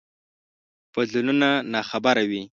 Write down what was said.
بدلونونو ناخبره وي.